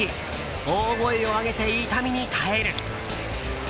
大声を上げて痛みに耐える。